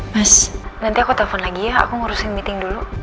mas nanti aku telepon lagi ya aku ngurusin meeting dulu